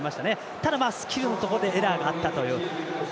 ただ、スキルのところでエラーがあったという。